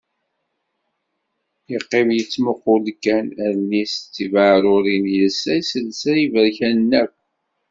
Yeqqim yettmuqul-d kan. Allen-is d tibaɛrurin, yelsa iselsa iberkanen akk.